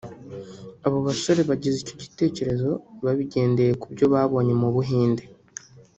Abo basore bagize icyo gitekerezo babigendeye ku byo babonye mu Buhinde